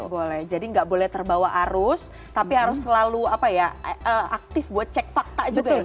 boleh jadi gak boleh terbawa arus tapi harus selalu apa ya aktif buat cek fakta juga ya mbak